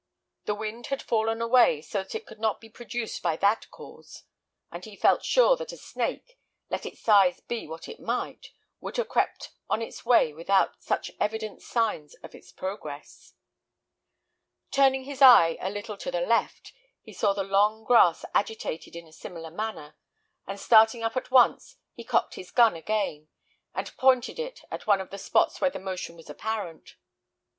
The wind had fallen away, so that it could not be produced by that cause; and he felt sure that a snake, let its size be what it might, would have crept on its way without such evident signs of its progress. Turning his eye a little to the left, he saw the long grass agitated in a similar manner; and starting up at once, he cocked his gun again, and pointed it at one of the spots where the motion was apparent.